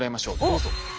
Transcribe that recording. どうぞ。